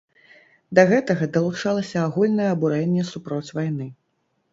Да гэтага далучалася агульнае абурэнне супроць вайны.